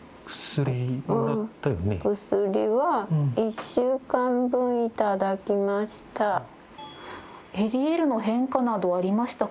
薬は１週間分頂きました。